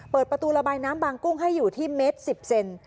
เปิดประตูระบายน้ำบางกุ้งให้อยู่ที่เมตร๑๐เซน